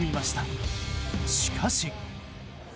しかし。